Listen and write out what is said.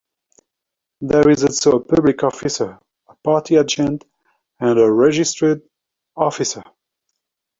There is also a Public Officer, a Party Agent and a Registered Officer.